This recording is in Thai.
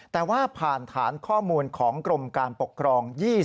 แต่ว่าผ่านฐานข้อมูลของกรมการปกครอง